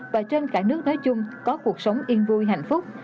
và trên cả nước nói chung có cuộc sống yên vui hạnh phúc